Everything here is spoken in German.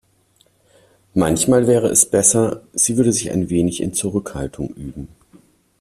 Manchmal wäre es besser, sie würde sich ein wenig in Zurückhaltung üben.